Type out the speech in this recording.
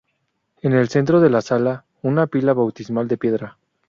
En el centro de la sala, una pila bautismal de piedra.